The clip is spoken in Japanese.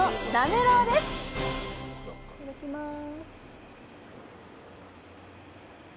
いただきます。